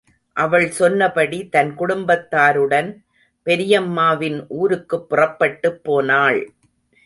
அவள் சொன்னபடி தன் குடும்பத்தாருடன் பெரியம்மாவின் ஊருக்குப் புறப்பட்டுப் போனாள்.